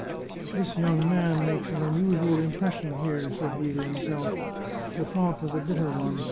" This young man makes an unusual impression here," said he to himself. The thought was a bitter one.